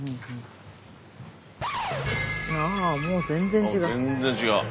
あもう全然違う。